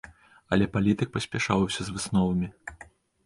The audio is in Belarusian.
Але палітык паспяшаўся з высновамі.